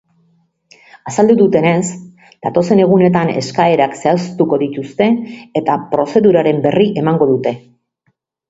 Azaldu dutenez, datozen egunetan eskaerak zehaztuko dituzte eta prozeduraren berri emango dute.